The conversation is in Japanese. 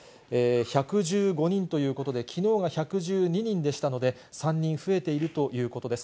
１１５人ということで、きのうが１１２人でしたので、３人増えているということです。